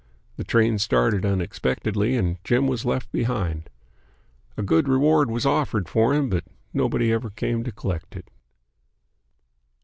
The train started unexpectedly and Jim was left behind. A good reward was offered for him, but nobody ever came to collect it.